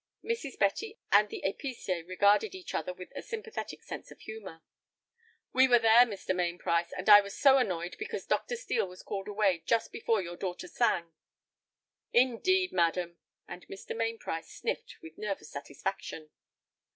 Mrs. Betty and the épicier regarded each other with a sympathetic sense of humor. "We were there, Mr. Mainprice, and I was so annoyed because Dr. Steel was called away just before your daughter sang." "Indeed, madam," and Mr. Mainprice sniffed with nervous satisfaction.